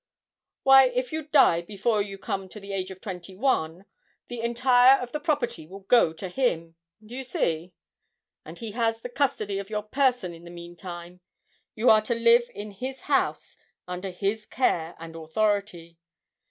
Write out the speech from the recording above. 'Why, if you die before you come to the age of twenty one, the entire of the property will go to him do you see? and he has the custody of your person in the meantime; you are to live in his house, under his care and authority.